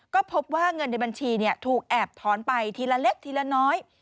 ก็พบว่าเงินในบัญชีถูกแอบถอนไปทีละเล็กทีละน้อย